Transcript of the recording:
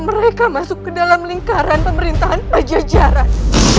mereka masuk ke dalam lingkaran pemerintahan pajajaran